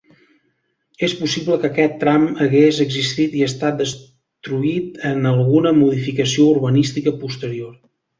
És possible que aquest tram hagués existit i estat destruït en alguna modificació urbanística posterior.